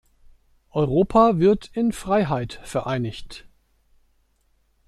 Europa wird in Freiheit vereinigt.